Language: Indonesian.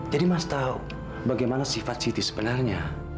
jadi mas tahu bagaimana sifat siti sebenarnya